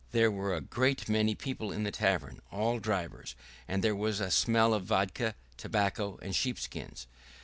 There were a great many people in the tavern, all drivers, and there was a smell of vodka, tobacco, and sheepskins.